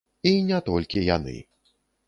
І не толькі яны.